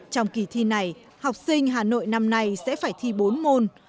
trong kỳ thi này học sinh hà nội năm nay sẽ phải thi bốn môn